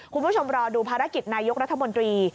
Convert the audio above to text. คุณผู้ชมรอดูภารกิจนายกรัฐมนตรี